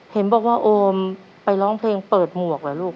เห็นบอกว่าโอมไปร้องเพลงเปิดหมวกเหรอลูก